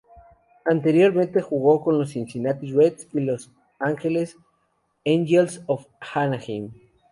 Anteriormente jugó con los Cincinnati Reds y Los Angeles Angels of Anaheim.